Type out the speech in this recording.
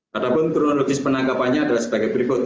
padahal kronologis penangkapannya adalah sebagai berikut